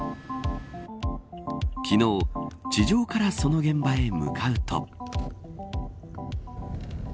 昨日地上からその現場へ向かうと。